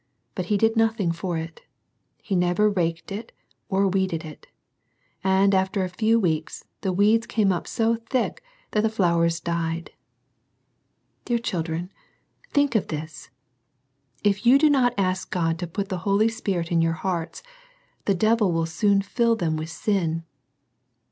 But he did nothing for it He never raked it or weeded it. And after a few weeks, the weeds came up so thick that the flowers died. Dear children, think of this ! If you do not ask God to put the Holy Spirit in your hearts, the devil will soon fill them with sin.